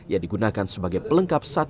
yang digunakan sebagai pelengkap sate kambing